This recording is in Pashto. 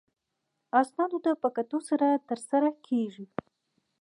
اسنادو ته په کتو سره ترسره کیږي.